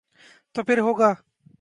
تو پھر ہو گا۔